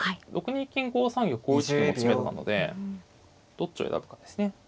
６二金５三玉５一金も詰めろなのでどっちを選ぶかですね。